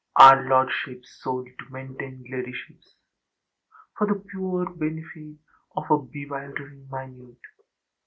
Are lordships sold to maintain ladyships For the poor benefit of a bewildering minute?